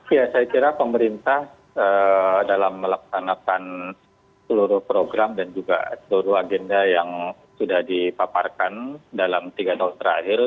ya saya kira pemerintah dalam melaksanakan seluruh program dan juga seluruh agenda yang sudah dipaparkan dalam tiga tahun terakhir